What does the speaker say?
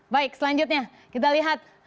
baik selanjutnya kita lihat